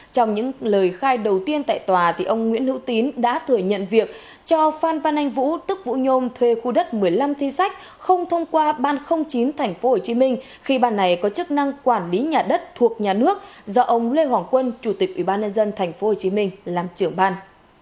trong những lời khai đầu tiên tại tòa ông nguyễn hữu tín đã thừa nhận việc cho phan văn anh vũ tức vũ nhôm thuê khu đất một mươi năm thi sách không thông qua ban chín tp hcm khi ban này có chức năng quản lý nhà đất thuộc nhà nước do ông lê hoàng quân chủ tịch ubnd tp hcm làm trưởng ban